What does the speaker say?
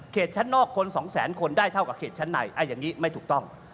ชั้นนอกคนสองแสนคนได้เท่ากับเขตชั้นในอย่างนี้ไม่ถูกต้อง